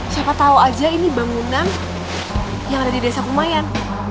siapa tahu aja ini bangunan yang ada di desa kumayan